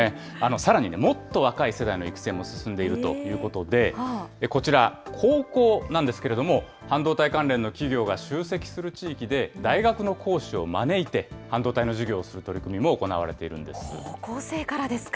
さらにもっと若い世代の育成も進んでいるということで、こちら、高校なんですけれども、半導体関連の企業が集積する地域で、大学の講師を招いて、半導体の授業をする取り組みも行われている高校生からですか。